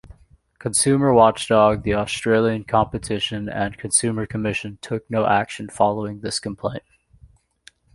Consumer watchdog the Australian Competition and Consumer Commission took no action following this complaint.